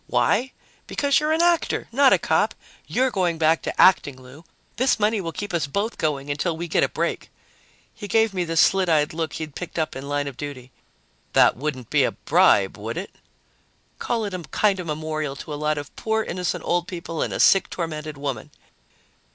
"Why? Because you're an actor, not a cop. You're going back to acting, Lou. This money will keep us both going until we get a break." He gave me the slit eyed look he'd picked up in line of duty. "That wouldn't be a bribe, would it?" "Call it a kind of memorial to a lot of poor, innocent old people and a sick, tormented woman."